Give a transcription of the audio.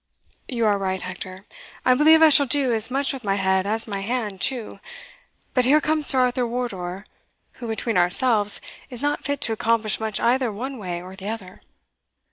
"You are right, Hector, l believe I shall do as much with my head as my hand too. But here comes Sir Arthur Wardour, who, between ourselves, is not fit to accomplish much either one way or the other."